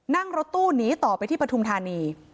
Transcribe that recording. นั่งรถตู้หนีต่อไปที่ปฐุมธานี